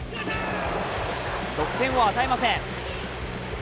得点を与えません。